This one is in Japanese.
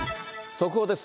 速報です。